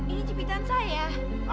ini jepitan saya